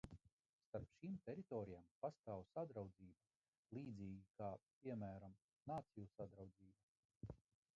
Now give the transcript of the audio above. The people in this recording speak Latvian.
Starp šīm teritorijām pastāv sadraudzība, līdzīgi kā, piemēram, Nāciju Sadraudzība.